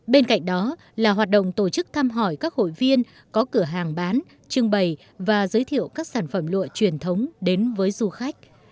bên cạnh đó là hoạt động tổ chức thăm hỏi các hội viên có cửa hàng bán trưng bày và giới thiệu các sản phẩm lụa truyền thống đến với du khách